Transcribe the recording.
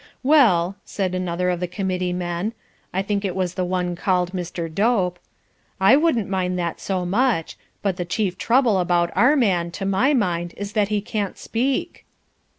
"Well," said another of the Committee men, I think it was the one called Mr. Dope, "I wouldn't mind that so much. But the chief trouble about our man, to my mind, is that he can't speak."